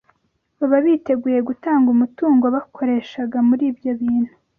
Baba biteguye gutanga umutungo bakoreshaga muri ibyo bintu